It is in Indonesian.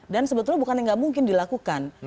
dan sebetulnya bukan yang tidak mungkin dilakukan